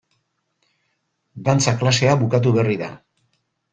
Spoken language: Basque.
Dantza klasea bukatu berri da.